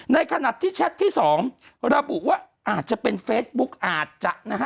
ในขณะที่แชทที่๒ระบุว่าอาจจะเป็นเฟซบุ๊กอาจจะนะฮะ